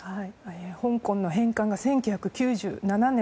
香港の返還が１９９７年。